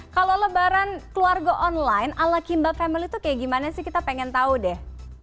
kalau lebaran keluarga online ala kimba family itu kayak gimana sih kita pengen tahu deh